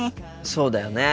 そうだよね。